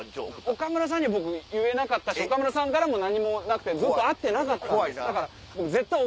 岡村さんには言えなかったし岡村さんからも何もなくてずっと会ってなかったんです。